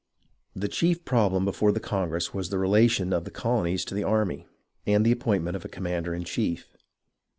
The chief problem before the congress was the relation of the colonies to the army, and the appointment of a commander in chief.